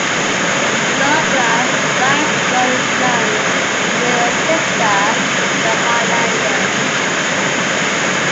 Douglass' "Flying Scot" is known as the little sister to the "Highlander".